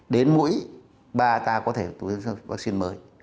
đến mũi ba ta có thể tiêm vaccine mới